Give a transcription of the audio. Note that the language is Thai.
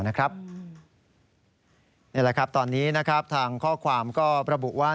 นี่แหละครับตอนนี้ทางข้อความก็ระบุว่า